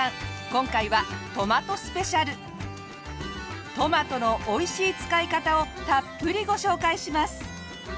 今回はトマトのおいしい使い方をたっぷりご紹介します！